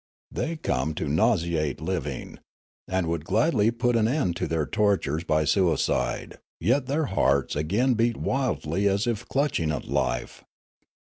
They come to nauseate living, and would gladly put an end to their tortures by suicide ; yet their hearts again beat wildly as if clutching at life.